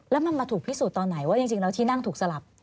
แล้วมันมาถูกพิสูจน์ตอนไหนว่าจริงแล้วที่นั่งถูกสลับ